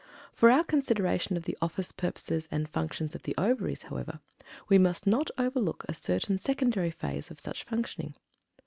In our consideration of the office, purposes, and functions of the Ovaries, however, we must not overlook a certain secondary phase of such functioning.